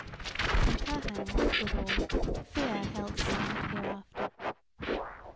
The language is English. And her hand, withal, fear held somewhat hereafter.